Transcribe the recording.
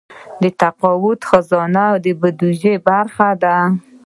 د تقاعد خزانه د بودیجې برخه ده